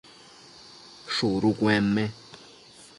shudu cuenme